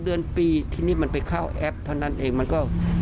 เดือนปีทีนี้มันไปเข้าแอปเท่านั้นเองมันก็